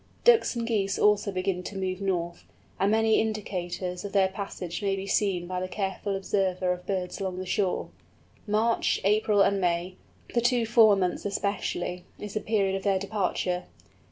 Ducks and Geese also begin to move north, and many indications of their passage may be seen by the careful observer of birds along the shore. March, April, and May, the two former months especially, is the period of their departure.